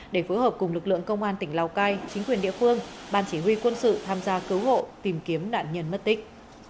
để phối hợp cùng lực lượng công an tỉnh lào cai chính quyền địa phương ban chỉ huy quân sự tham gia cứu hộ tìm kiếm nạn nhân mất tích